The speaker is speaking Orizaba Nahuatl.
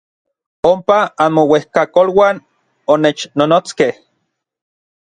Ompa anmouejkakoluan onechnonotskej.